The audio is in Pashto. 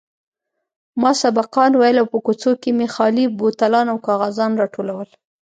ما سبقان ويل او په کوڅو کښې مې خالي بوتلان او کاغذان راټولول.